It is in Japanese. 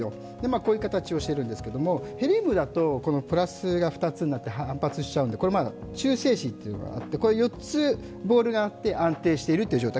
こういう形をしているんですけれどもヘリウムだとプラスが２つになって反発しちゃうんで、中性子というのがあって、これは４つボールがあって安定しているという状態